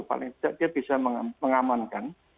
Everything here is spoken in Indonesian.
paling tidak dia bisa mengamankan